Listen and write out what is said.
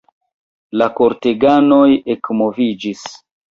La korteganoj ekmoviĝis.